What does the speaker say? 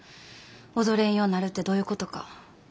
踊れんようになるってどういうことか。